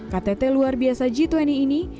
ktt luar biasa g dua puluh ini